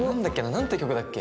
何て曲だっけ？